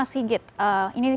kita sampai brosandar satu